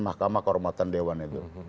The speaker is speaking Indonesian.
mahkamah kehormatan dewan itu